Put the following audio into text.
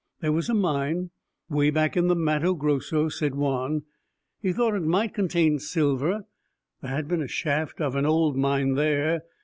There was a mine, way back in the Matto Grosso, said Juan. He thought it might contain silver: there had been the shaft of an old mine there.